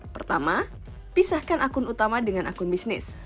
pertama pisahkan akun utama dengan akun bisnis